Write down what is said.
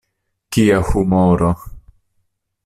Kia humoro!